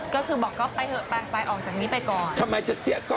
ก็คือบอกก๊อบไปเถอะไปออกจากงี้ไปก่อน